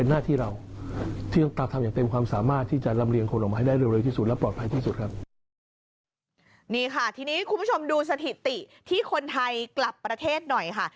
นี่ค่ะทีนี้คุณผู้ชมดูสถิติที่คนไทยกลับประเทศหน่อยค่ะ